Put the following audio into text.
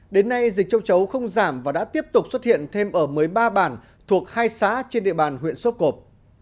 đến nay dịch châu chấu không giảm và đã tiếp tục xuất hiện thêm ở một mươi ba bản thuộc hai xã trên địa bàn huyện sốp cộp